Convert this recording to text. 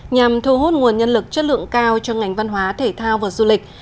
nhằm thu hút nguồn nhân lực chất lượng cao cho ngành văn hóa thể thao và du lịch